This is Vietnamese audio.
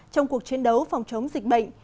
trong cuộc chiến đấu phòng chống dịch bệnh